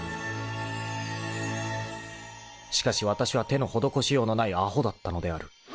［しかしわたしは手の施しようのないアホだったのである］